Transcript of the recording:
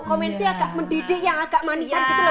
komennya agak mendidih yang agak manisan gitu loh